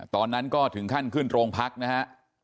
ตอนนั้นก็ถึงขั้นขึ้นโรงพักนะฮะ